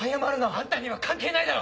あんたには関係ないだろ！